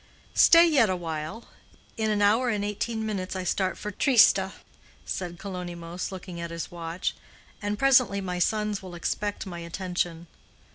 "Stay yet a while. In an hour and eighteen minutes I start for Trieste," said Kalonymos, looking at his watch, "and presently my sons will expect my attention.